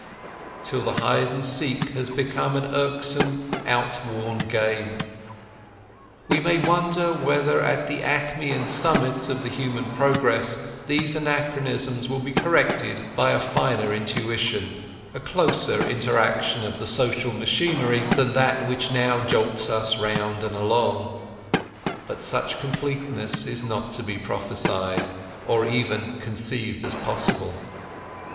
till the hide and seek has become an irksome, outworn game. We may wonder whether at the acme and summit of the human progress these anachronisms will be corrected by a finer intuition, a closer interaction of the social machinery than that which now jolts us round and along; but such completeness is not to be prophesied, or even conceived as possible.